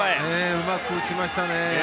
うまく打ちましたね。